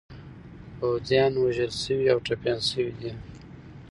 پوځیان وژل شوي او ټپیان شوي دي.